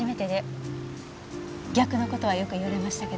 逆の事はよく言われましたけど。